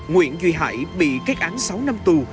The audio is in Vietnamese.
nguyễn duy hải bị kết án sáu năm tù